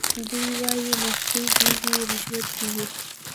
دی وايي نخرې دي وي رشوت دي وي